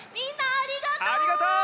ありがとう！